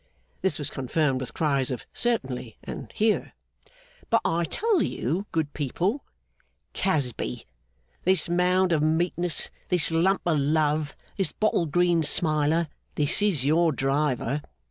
This was confirmed with cries of 'Certainly,' and 'Hear!' 'But I tell you, good people Casby! This mound of meekness, this lump of love, this bottle green smiler, this is your driver!